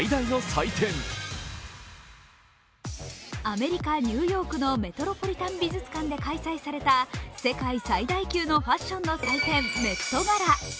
アメリカ・ニューヨークのメトロポリタン美術館で開催された世界最大級のファッションの祭典ＭｅｔＧａｌａ。